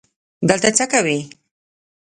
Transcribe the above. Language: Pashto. دلته څه کوې؟